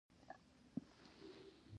قدرت تر مهار مخکې انسان ته ازادي نه ورکوي.